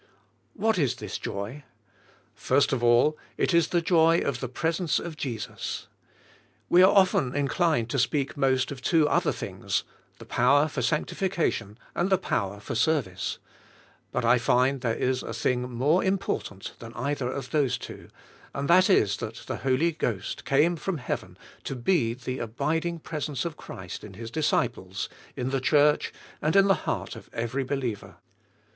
What is this joy? First of all, it is the joy of the presence of Jesus. We are often inclined to speak most of two other things, the power for sanctification, and the power for service. ^ But I find there is a thing more important than either of those two, and that is that the Holy Ghost came from Heaven to be the abiding presence of Christ in His disciples, in the Church, and in the heart of every believer.